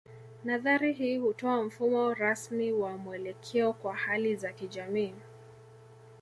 Nadhari hii hutoa mfumo rasmi wa mwelekeo kwa hali za kijamii